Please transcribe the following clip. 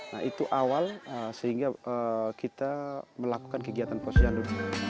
nah itu awal sehingga kita melakukan kegiatan posyandu